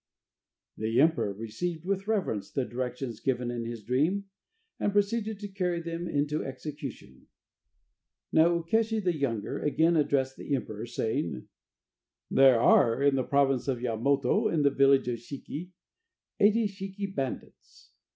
The emperor received with reverence the directions given in his dream, and proceeded to carry them into execution. Now Ukeshi the younger again addressed the emperor, saying: "There are in the province of Yamato, in the village of Shiki, eighty Shiki bandits.